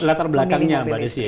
mungkin latar belakangnya mbak desi ya